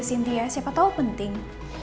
siltie sintia siapa tau penting